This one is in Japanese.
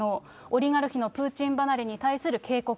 オリガルヒのプーチン離れに対する警告。